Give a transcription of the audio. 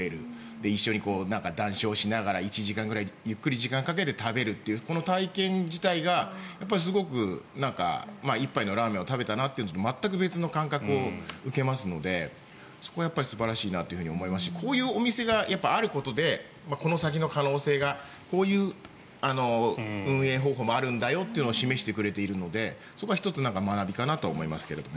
で、一緒に談笑しながら１時間ぐらいゆっくり時間をかけて食べるという、この体験自体がすごく１杯のラーメンを食べたなというのとは全く別の感覚を受けますのでそこは素晴らしいなと思いますしこういうお店があることでこの先の可能性がこういう運営方法もあるんだよというのを示してくれているのでそこは１つ学びかなと思いますが。